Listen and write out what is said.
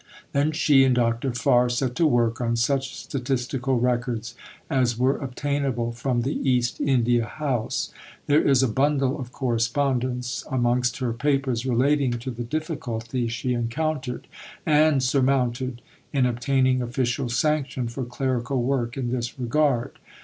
Then she and Dr. Farr set to work on such statistical records as were obtainable from the East India House. There is a bundle of correspondence amongst her Papers relating to the difficulties she encountered, and surmounted, in obtaining official sanction for clerical work in this regard.